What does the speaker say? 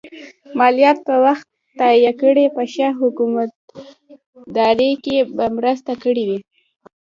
مالیات په وخت تادیه کړئ په ښه حکومتدارۍ کې به مو مرسته کړي وي.